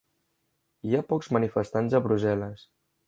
Hi ha pocs manifestants a Brussel·les